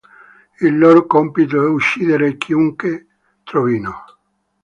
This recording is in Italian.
Il loro compito è uccidere chiunque trovino.